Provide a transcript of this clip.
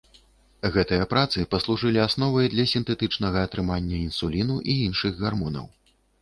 Гэтыя працы паслужылі асновай для сінтэтычнага атрымання інсуліну і іншых гармонаў.